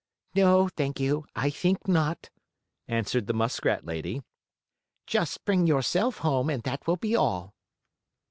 "No, thank you, I think not," answered the muskrat lady. "Just bring yourself home, and that will be all."